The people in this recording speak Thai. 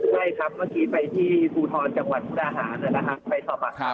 ใช่ครับเมื่อกี้ไปที่ฟูทรจังหวัดพุทธอาหาร